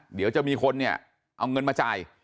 เดี๋ยวจะมีคนเนี่ยเอาเงินมาจ่าย